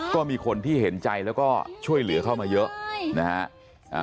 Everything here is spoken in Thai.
ก็มีคนที่เห็นใจแล้วก็ช่วยเหลือเข้ามาเยอะนะฮะ